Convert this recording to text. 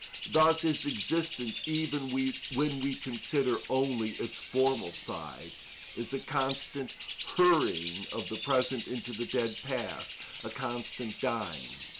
Thus his existence, even when we consider only its formal side, is a constant hurrying of the present into the dead past, a constant dying.